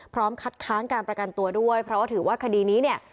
คัดค้านการประกันตัวด้วยเพราะว่าถือว่าคดีนี้เนี่ย